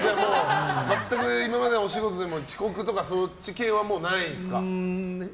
全く、今までのお仕事でも遅刻とかそっち系はないですか？